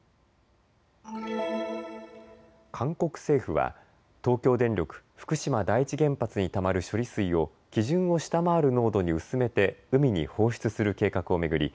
韓国政府は東京電力福島第一原発にたまる処理水を基準を下回る濃度に薄めて海に放出する計画を巡り